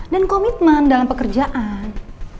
dan komitmen dalam pekerjaan